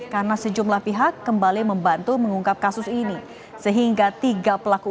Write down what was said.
karena sejumlah pihak kembali membantu mengungkap kasus ini sehingga tiga pelaku